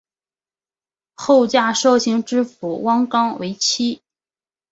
后嫁绍兴知府汪纲为妻。